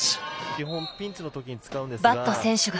基本ピンチの時に使うんですが。